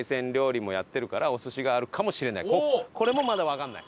これもまだわかんない。